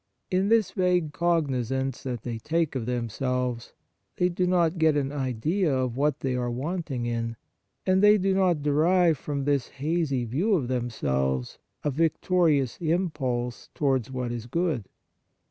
In this vague cognizance that they take of themselves, they do not get an idea of what they are wanting in, and they do not derive from this hazy view of themselves a victorious impulse towards what is good.